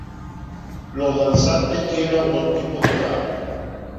Los danzantes llevan dos tipos de traje.